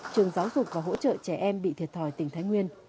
trường giáo dục và hỗ trợ trẻ em bị thiệt thòi tỉnh thái nguyên